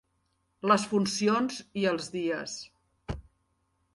Les funcions i els dies